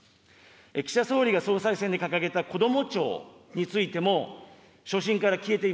岸田総理が総裁選で掲げた子ども庁についても、所信から消えてい